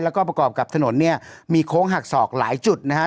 แล้วก็ประกอบกับถนนเนี่ยมีโค้งหักศอกหลายจุดนะฮะ